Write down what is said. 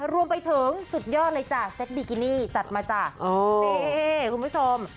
รวมไปถึงสุดยอดเลยจ้ะเซตบิกินี่จัดมาจ้ะนี่คุณผู้ชม